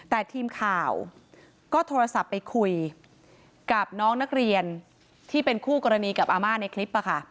แต่ทีมข่าวก็โทรศัพท์ไปคุยกับน้องนักเรียนที่เป็นคู่กรณีกับอาม่าในคลิป